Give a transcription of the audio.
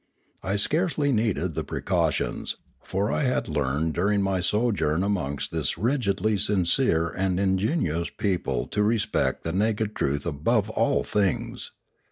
I scarcely needed the precautions; for I had learned during my sojourn amongst this rigidly sincere and ingenuous people to respect the naked truth above all things.